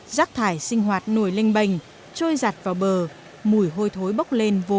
giác thải sinh hoạt nổi lênh bềnh trôi giặt vào bờ mùi hôi thối bốc lên vô cùng khó chịu